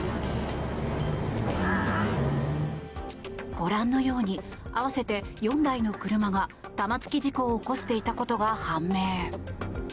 ご覧のように合わせて４台の車が玉突き事故を起こしていたことが判明。